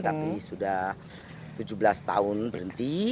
tapi sudah tujuh belas tahun berhenti